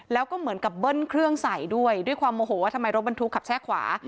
แล้วก็เหมือนกับเบิ้ลเครื่องใส่ด้วยด้วยความโมโหว่าทำไมรถบรรทุกขับแช่ขวา